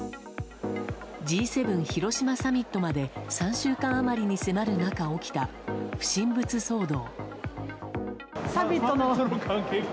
Ｇ７広島サミットまで３週間余りに迫る中、起きた不審物騒動。